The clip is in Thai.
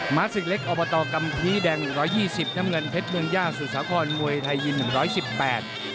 หมาสึกเล็กอบตกกัมภีรแดง๑๒๐น้ำเงินเพชรเมืองย่าสุษครอนมวยไทยญิม๑๑๘